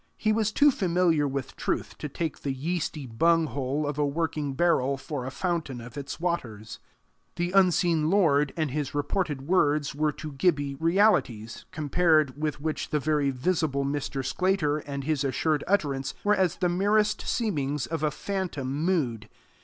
He was too familiar with truth to take the yeasty bunghole of a working barrel for a fountain of its waters. The unseen Lord and his reported words were to Gibbie realities, compared with which the very visible Mr. Sclater and his assured utterance were as the merest seemings of a phantom mood.